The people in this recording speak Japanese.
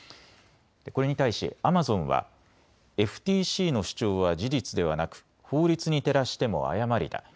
これに対しアマゾンはＦＴＣの主張は事実ではなく法律に照らしても誤りだ。